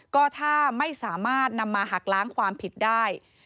ก็ถ้าไม่สามารถนำมาหักล้างความผิดได้